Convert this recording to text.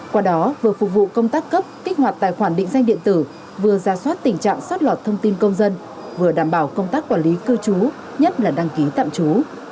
qua đó vừa phục vụ công tác cấp kích hoạt tài khoản định danh điện tử vừa ra soát tình trạng sót lọt thông tin công dân vừa đảm bảo công tác quản lý cư trú nhất là đăng ký tạm trú